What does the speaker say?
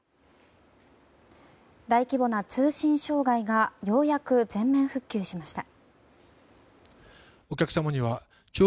大規模な通信障害がようやく全面復旧しました。